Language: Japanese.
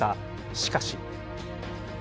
しかし。